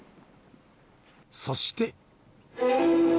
そして。